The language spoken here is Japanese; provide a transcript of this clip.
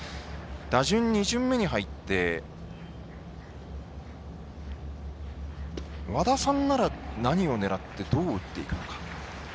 打順２巡目に入って和田さんなら何を狙ってどう打っていくのか。